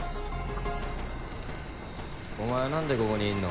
お前なんでここにいんの？